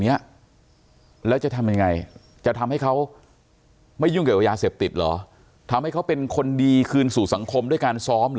เนี้ยแล้วจะทำยังไงจะทำให้เขาไม่ยุ่งเกี่ยวกับยาเสพติดเหรอทำให้เขาเป็นคนดีคืนสู่สังคมด้วยการซ้อมเหรอ